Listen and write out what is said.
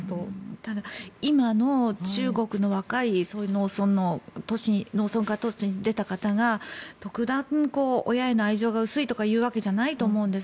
ただ今の中国の若い農村の都市に出た方が特段、親への愛情が薄いというわけじゃないと思うんです。